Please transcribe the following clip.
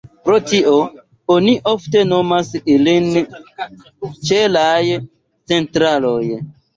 Pro tio, oni ofte nomas ilin ĉelaj "centraloj".